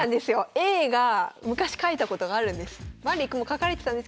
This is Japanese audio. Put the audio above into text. Ａが昔書いたことがあるんです。